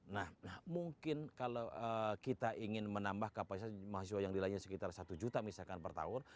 nah mungkin kalau kita ingin menambah kapasitas mahasiswa yang nilainya sekitar satu juta misalkan per tahun